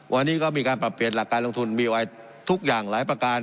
วันนี้ก็มีการปรับเปลี่ยนหลักการลงทุนมีไว้ทุกอย่างหลายประการ